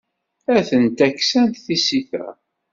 Atent-a ksant tsita.